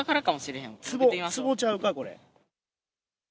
つぼちゃうか、これ。